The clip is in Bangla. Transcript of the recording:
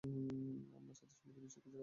আপনার সাথে সম্পত্তির বিষয়ে কিছু কথা ছিল।